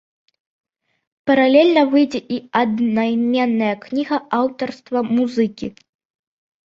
Паралельна выйдзе і аднайменная кніга аўтарства музыкі.